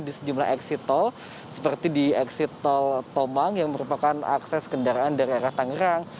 di sejumlah exit tol seperti di eksit tol tomang yang merupakan akses kendaraan dari arah tangerang